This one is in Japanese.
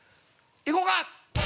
いこうか！